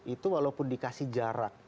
itu walaupun dikasih jarak